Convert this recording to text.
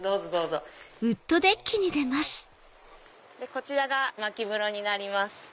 こちらがまき風呂になります。